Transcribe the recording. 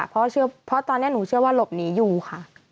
เพราะตอนนี้หนูเชื่อว่าหลบหนีอยู่ค่ะ